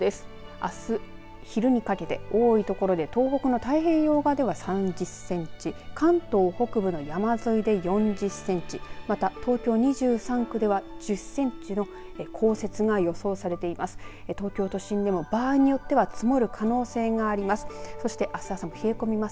あす昼にかけて多い所で東北の太平洋側では３０センチ関東北部の山沿いで４０センチまた東京２３区では１０センチの降雪が予想されています。